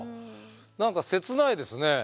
何か切ないですね。